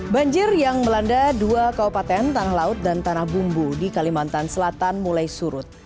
banjir yang melanda dua kaupaten tanah laut dan tanah bumbu di kalimantan selatan mulai surut